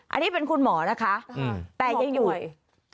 อันนี้เป็นคุณหมอนะคะแต่ยังอยู่